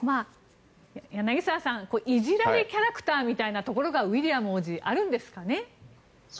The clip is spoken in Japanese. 柳澤さんいじられキャラクターみたいなところがウィリアム王子あるんですかね。